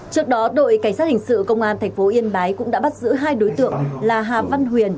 trước đó đội cảnh sát hình sự công an tp yên bái cũng đã bắt giữ hai đối tượng là hà văn huyền